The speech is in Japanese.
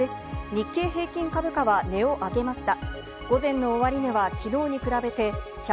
日経平均株価は値を上げました。